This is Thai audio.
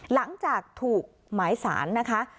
หลังจากถูกหมายสารนะคะ